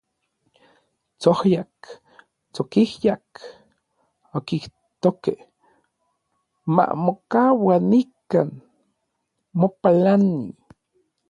“Tsojyak, tsokijyak”, okijtokej, “mamokaua nikan, mapalani”.